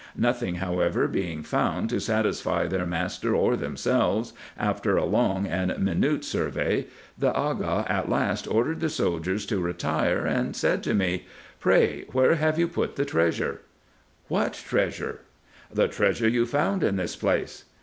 Nothing, however, being found to satisfy their master or themselves, after a long and minute survey, the Aga at last ordered the soldiers to retire, and said to me, " Pray where have you put the treasure ?"" What treasure ?"" The treasure you found in this place."